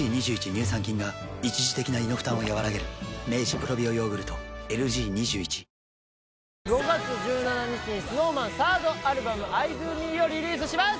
乳酸菌が一時的な胃の負担をやわらげる５月１７日にＳｎｏｗＭａｎサードアルバム「ｉＤＯＭＥ」をリリースします